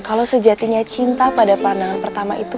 kalau sejatinya cinta pada pandangan pertama itu